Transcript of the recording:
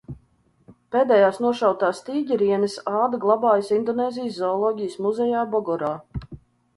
Pēdējās nošautās tīģerienes āda glabājas Indonēzijas Zooloģijas muzejā Bogorā.